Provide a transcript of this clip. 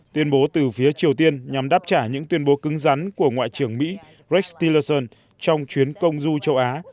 tuyên bố từ phía triều tiên nhằm đáp trả những tuyên bố cứng rắn của ngoại trưởng mỹ rece lason trong chuyến công du châu á